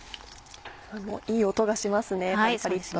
いい音がしますねパリパリっと。